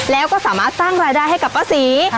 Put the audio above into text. แล้วก็สามารถสร้างรายได้ให้กับป้าศรี